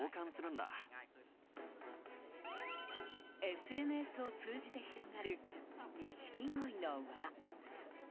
ＳＮＳを通じて広がるニシキゴイの輪。